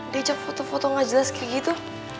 diajak foto foto gak jelas kayak gitu